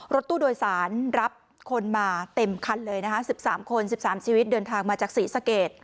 รถตู้โดยสารรับคนมาเต็มคันเลยนะคะ๑๓คน๑๓ชีวิตเดินทางมาจากศรีสะเกด